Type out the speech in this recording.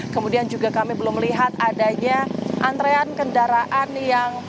kemudian juga kami belum melihat adanya antrean kendaraan yang